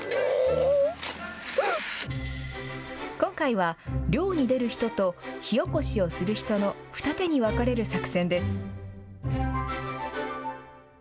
今回は、漁に出る人と火おこしをする人の二手に分かれる作戦です。